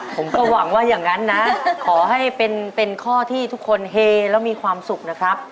ผมก็หวังว่าอย่างนั้นนะขอให้เป็นข้อที่ทุกคนเฮแล้วมีความสุขนะครับ